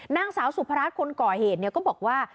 นางสาวสุพรัชคนก่อเหตุก็บอกว่า